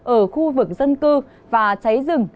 ở khu vực dân cư và cháy rừng